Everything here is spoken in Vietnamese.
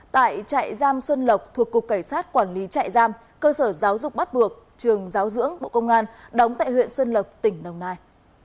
tại trại giam xuân lộc thuộc cục cảnh sát quản lý trại giam cơ sở giáo dục bắt buộc trường giáo dưỡng bộ công an đóng tại huyện xuân lộc tỉnh đồng nai